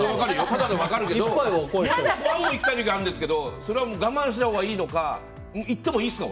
もう１杯いきたい時あるんですけど我慢したほうがいいのかいってもいいですか？